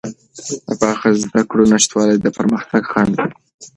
د پاخه زده کړو نشتوالی د پرمختګ خنډ دی.